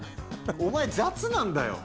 お前、雑なんだよ。